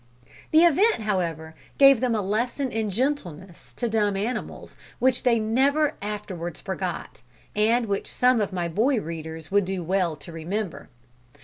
The event however, gave them a lesson in gentleness to dumb animals which they never afterwards forgot, and which some of my boy readers would do well to remember.